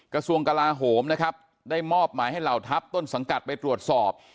กระทรวงกลาโหมนะครับได้มอบหมายให้เหล่าทัพต้นสังกัดไปตรวจสอบ